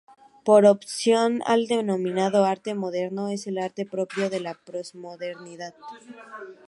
Por oposición al denominado arte moderno, es el arte propio de la postmodernidad.